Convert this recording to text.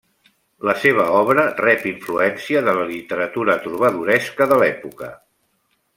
La seva obra rep influència de la literatura trobadoresca de l'època.